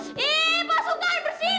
ih masukan bersindung